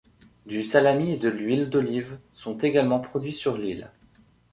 Du salami et de l'huile d'olive sont également produits sur l'île.